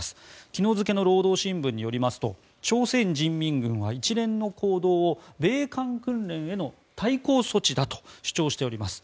昨日付の労働新聞によりますと朝鮮人民軍は一連の行動を米韓訓練への対抗措置だと主張しております。